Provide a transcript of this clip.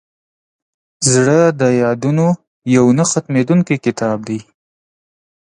زړه د یادونو یو نه ختمېدونکی کتاب دی.